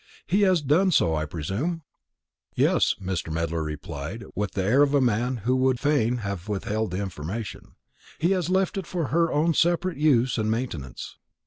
He has done so, I presume?" "Yes," Mr. Medler replied, with the air of a man who would fain have withheld the information; "he has left it for her own separate use and maintenance."